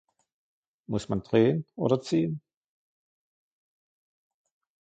Muss man drehen oder ziehen?